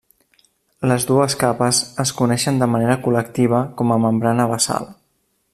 Les dues capes es coneixen de manera col·lectiva com membrana basal.